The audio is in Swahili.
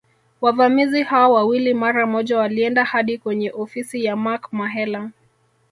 Wavamizi hao wawili mara moja walienda hadi kwenye ofisi ya Mark Mahela